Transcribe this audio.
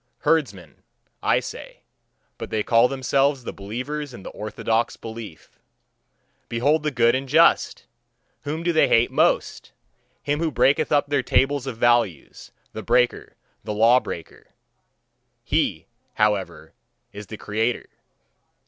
Herdsmen, I say, but they call themselves the believers in the orthodox belief. Behold the good and just! Whom do they hate most? Him who breaketh up their tables of values, the breaker, the lawbreaker: he, however, is the creator.